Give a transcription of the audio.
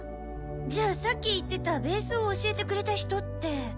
じゃあさっき言ってたベースを教えてくれた人って。